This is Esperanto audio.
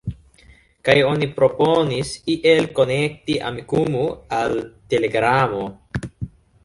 Kaj oni proponis iel konekti Amikumu al Telegramo.